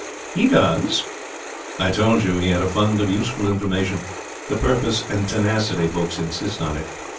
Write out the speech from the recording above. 'He does.' 'I told you he had a fund of useful information. The Purpose and Tenacity books insist on it.